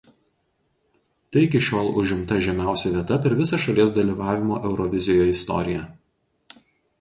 Tai iki šiol užimta žemiausia vieta per visą šalies dalyvavimo „Eurovizijoje“ istoriją.